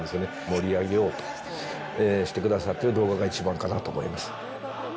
盛り上げようとしてくださっている動画が一番かなと思います。